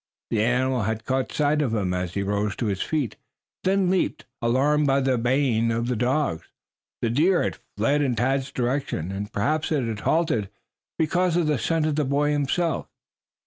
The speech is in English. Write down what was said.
The animal had caught sight of him as he rose to his feet, then leaped. Alarmed by the baying of the dogs, the deer had fled in Tad's direction, and perhaps it had halted because of the scent of the boy himself.